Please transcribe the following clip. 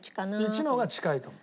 １の方が近いと思う。